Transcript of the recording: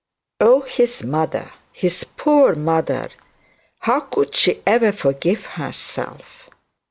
Oh, his mother his poor mother! how could she ever forgive herself.